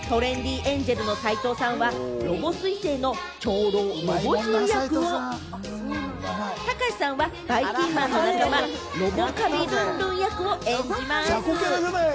トレンディエンジェルの斉藤さんはロボ彗星の長老・ロボじい役を、たかしさんはばいきんまんの仲間、ロボ・カビルンルン役を演じます。